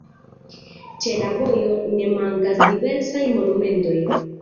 Ĉe la vojo ne mankas diversaj monumentoj.